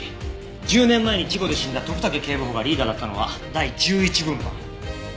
１０年前に事故で死んだ徳武警部補がリーダーだったのは第１１分班。